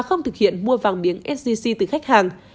không thực hiện mua vàng miếng sgc từ khách hàng